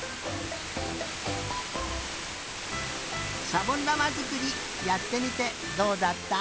しゃぼんだまづくりやってみてどうだった？